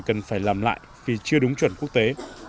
cần phải làm lại vì chưa đúng chuẩn quốc tế